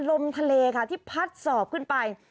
ลมทะเลค่ะที่พัดสอบขึ้นไป